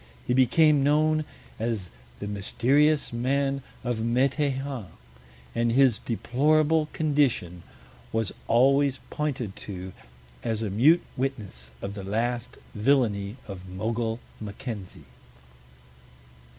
He became known as the "Mysterious Man of Meteighan," and his deplorable condition was always pointed to as a mute witness of the last villainy of Mogul Mackenzie.